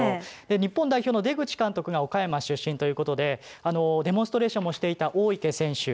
日本代表の出口監督が岡山出身ということでデモンストレーションもしていた大池選手